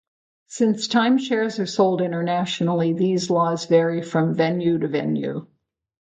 Since timeshares are sold internationally, these laws vary from venue to venue.